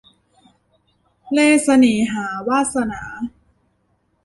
เล่ห์เสน่หา - วาสนา